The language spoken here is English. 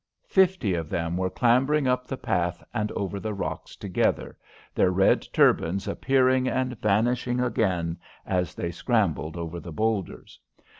Fifty of them were clambering up the path and over the rocks together, their red turbans appearing and vanishing again as they scrambled over the boulders.